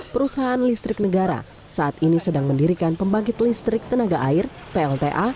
perusahaan listrik negara saat ini sedang mendirikan pembangkit listrik tenaga air plta